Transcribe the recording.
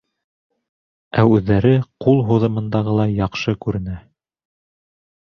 Ә үҙҙәре ҡул һуҙымындағылай яҡшы күренә.